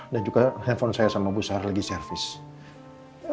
dan juga handphone saya sama bu sarah lagi service